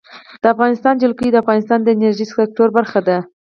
د افغانستان جلکو د افغانستان د انرژۍ سکتور برخه ده.